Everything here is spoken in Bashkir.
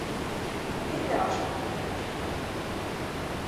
Әйҙә ашап киләйек